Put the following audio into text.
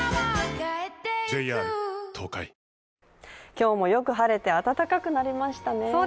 今日もよく晴れて、暖かくなりましたね。